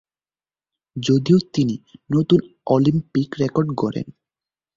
যদিও তিনি নতুন অলিম্পিক রেকর্ড গড়েন।